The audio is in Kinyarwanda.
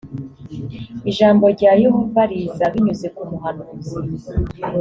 ijambo rya yehova riza binyuze ku muhanuzi .